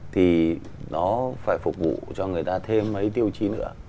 thì nó phải phục vụ cho người ta thêm mấy tiêu chí nữa